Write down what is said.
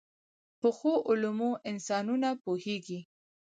پخو علمونو انسانونه پوهيږي